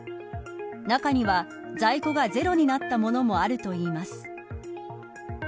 中には在庫がゼロになったものもあるといいます。